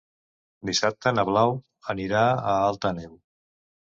Dissabte na Blau anirà a Alt Àneu.